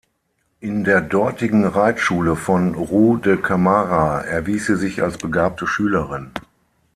In der dortigen Reitschule von Ruy de Camara erwies sie sich als begabte Schülerin.